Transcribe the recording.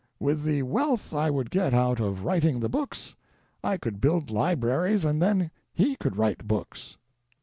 With the wealth I would get out of writing the books, I could build libraries and then he could write books.